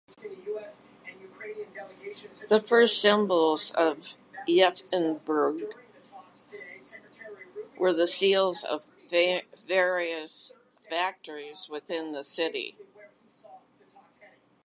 The first symbols of Yekaterinburg were the seals of various factories within the city.